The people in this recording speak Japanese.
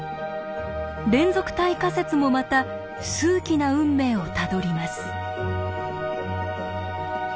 連続体仮説もまた数奇な運命をたどります。